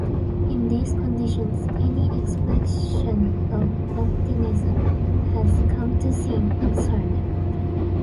In these conditions any expression of optimism has come to seem absurd.